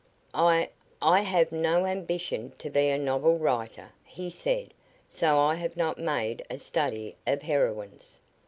"I I have no ambition to be a novel writer," he said, "so I have not made a study of heroines."